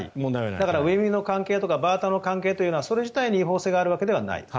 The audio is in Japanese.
だからウィンウィンの関係とかバーターの関係というのはそれ自体に違法性があるわけではない。